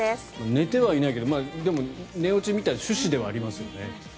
寝てはいないけど寝落ちみたいな趣旨ではありますよね